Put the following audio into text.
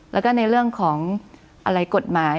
แล้วก็ในเรื่องของอะไรกฎหมาย